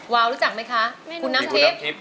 วาวรู้จักไหมคะคุณน้ำทิพย์